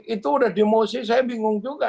itu udah demosi saya bingung juga